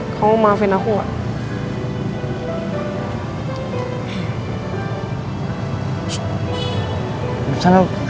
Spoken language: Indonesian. kamu mau maafin aku gak